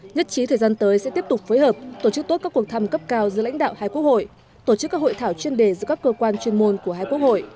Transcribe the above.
nhất trí thời gian tới sẽ tiếp tục phối hợp tổ chức tốt các cuộc thăm cấp cao giữa lãnh đạo hai quốc hội tổ chức các hội thảo chuyên đề giữa các cơ quan chuyên môn của hai quốc hội